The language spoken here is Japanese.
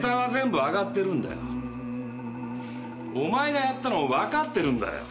お前がやったのは分かってるんだよ。